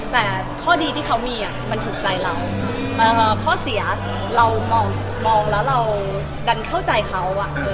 แต่ข้อดีที่เขามีมันถูกใจเราข้อเสียเรามองแล้วเราดันเข้าใจเขา